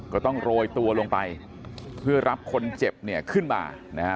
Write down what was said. ก็ต้องโรยตัวลงไปเพื่อรับคนเจ็บเนี่ยขึ้นมานะฮะ